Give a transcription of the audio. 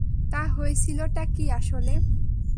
তা, হয়েছিলটা কী আসলে?